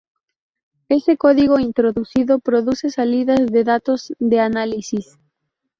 Ese código introducido produce salidas de datos de análisis.